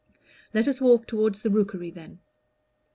"Let us walk toward the Rookery, then."